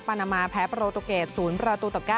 ปานมาแพ้ประโลตุเกษตร์๐ประตูต่อ๙